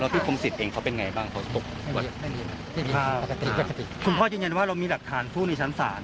แล้วพี่คุมศิษย์เองเขาเป็นไงบ้างค่ะคุณพ่อจะยังยังว่าเรามีหลักฐานผู้ในชั้นศาล